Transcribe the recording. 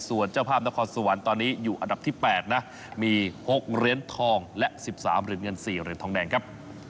ส่วนเจ้าภาพนครสวรรค์ตอนนี้อยู่อันดับที่๘นะมี๖เหรียญทองและ๑๓เหรียญเงิน๔เหรียญทองแดงครับ